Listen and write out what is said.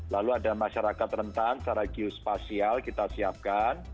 lalu ada masyarakat rentan secara geospasial kita siapkan